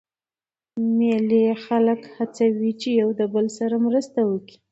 مېلې خلک هڅوي، چي له یو بل سره مرسته وکي.